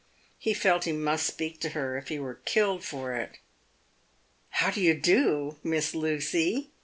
He felt he must speak to her if he were killed for it. " How do you do, Miss Lucy